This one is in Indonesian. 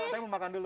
saya mau makan dulu